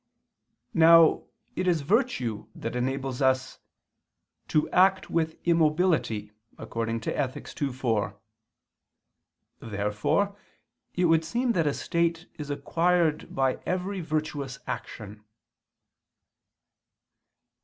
Now it is virtue that enables us "to act with immobility," according to Ethic. ii, 4. Therefore it would seem that a state is acquired by every virtuous action.